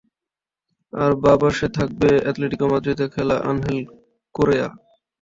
আর বাঁ পাশে থাকবে অ্যাটলেটিকো মাদ্রিদে খেলা আনহেল কোরেয়া।